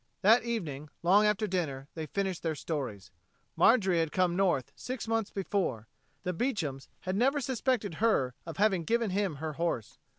That evening, long after dinner, they finished their stories. Marjorie had come North six months before; the Beechams had never suspected her of having given him her horse.